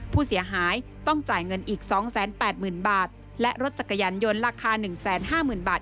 ผู้เสียหายต้องจ่ายเงินอีกสองแสนแปดหมื่นบาทและรถจักรยานยนต์ราคาหนึ่งแสนห้าหมื่นบาท